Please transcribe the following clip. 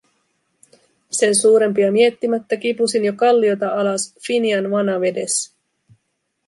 Sen suurempia miettimättä, kipusin jo kalliota alas Finian vanavedessä.